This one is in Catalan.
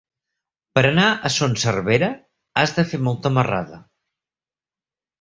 Per anar a Son Servera has de fer molta marrada.